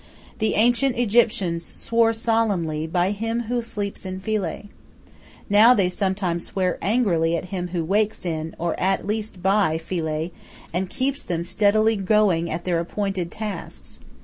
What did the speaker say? The ancient Egyptians swore solemnly "By him who sleeps in Philae." Now they sometimes swear angrily at him who wakes in, or at least by, Philae, and keeps them steadily going at their appointed tasks.